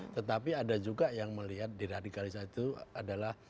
tetapi ada juga yang melihat diradikalisasi itu adalah